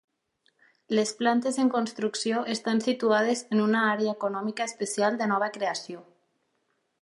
Les plantes en construcció estan situades en una àrea econòmica especial de nova creació.